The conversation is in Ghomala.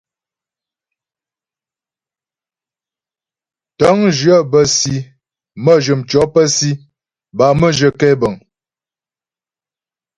Tə̂ŋjyə bə́ si, mə́jyə mtʉɔ̌ pə́ si bâ mə́jyə kɛbəŋ.